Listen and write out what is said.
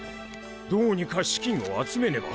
どうにか資金を集めねば。